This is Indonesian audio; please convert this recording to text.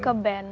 terus ke band